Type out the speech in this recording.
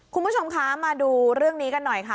คุณผู้ชมคะมาดูเรื่องนี้กันหน่อยค่ะ